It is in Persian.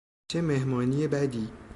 چه مهمانی بدی!